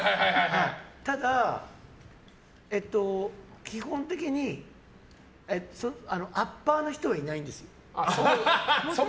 ただ、基本的にアッパーな人がいないんですよ。